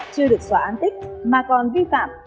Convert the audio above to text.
chưa được xóa an tích mà còn vi phạm